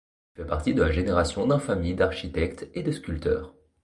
Il fait partie de la génération d'un famille d'architectes et de sculpteurs.